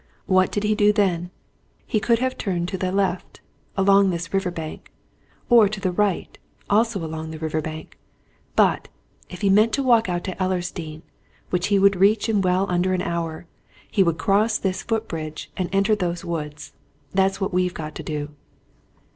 What did he do then? He could have turned to the left, along this river bank, or to the right, also along the river bank. But, if he meant to walk out to Ellersdeane which he would reach in well under an hour he would cross this foot bridge and enter those woods. That's what we've got to do."